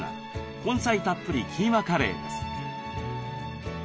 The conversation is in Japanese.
根菜たっぷりキーマカレーです。